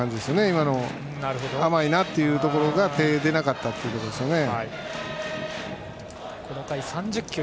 今の甘いなっていうところが手が出なかったってことですよね。